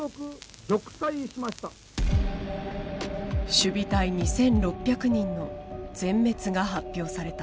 守備隊２，６００人の全滅が発表された。